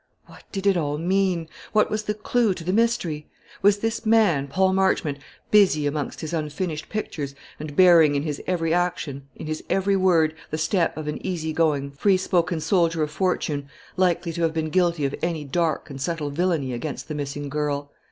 What did it all mean? What was the clue to the mystery? Was this man, Paul Marchmont, busy amongst his unfinished pictures, and bearing in his every action, in his every word, the stamp of an easy going, free spoken soldier of fortune, likely to have been guilty of any dark and subtle villany against the missing girl?